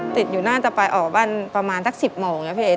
ติดอยู่น่าจะไปออกบ้านประมาณสัก๑๐โมงนะพี่เอ๊